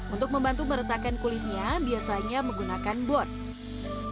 untuk membantu meretakan kulitnya biasanya menggunakan board